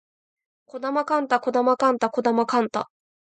児玉幹太児玉幹太児玉幹太